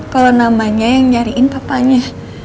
kalau namanya yang nyariin papanya